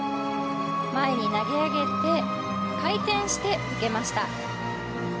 前に投げ上げて回転して受けました。